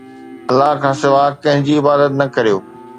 الله کانسواءِ ڪنهن جي عبادت نه ڪريو